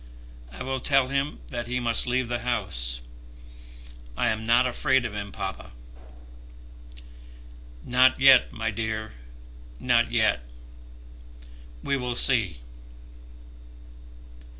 I will tell him that he must leave the house. I am not afraid of him, papa." "Not yet, my dear; not yet. We will see."